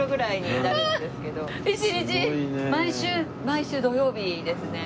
毎週土曜日ですね。